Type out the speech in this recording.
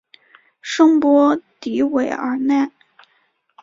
圣波迪韦尔奈。